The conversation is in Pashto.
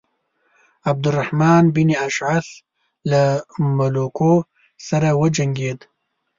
عبدالرحمن بن اشعث له ملوکو سره وجنګېد.